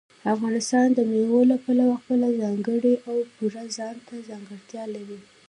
افغانستان د مېوو له پلوه خپله ځانګړې او پوره ځانته ځانګړتیا لري.